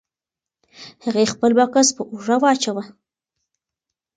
هغې خپل بکس په اوږه واچاوه.